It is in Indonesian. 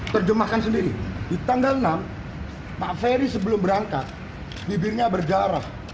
terjemahkan sendiri di tanggal enam pak ferry sebelum berangkat bibirnya berjarah